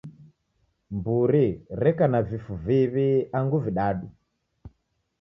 Mburi reka na vifu viw'i angu vidadu?